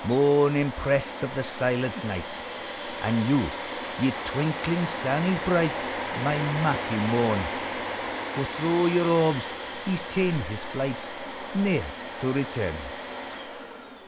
Mourn, empress of the silent night! And you, ye twinkling starnies bright, My Matthew mourn! For thro' your orbs he 's ta'en his tlight, Ne'er to return.